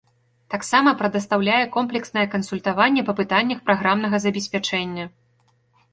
Таксама прадастаўляе комплекснае кансультаванне па пытаннях праграмнага забеспячэння.